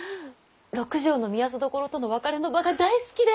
六条の御息所との別れの場が大好きで！